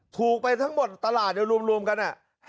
ถูกไปทั้งหมดตลาดรวมกัน